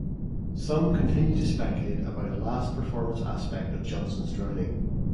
Some continue to speculate about a 'last performance' aspect of Johnson's drowning.